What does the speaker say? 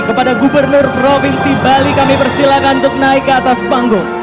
kepada gubernur provinsi bali kami persilakan untuk naik ke atas panggung